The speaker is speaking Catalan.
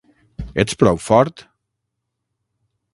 Ets prou fort?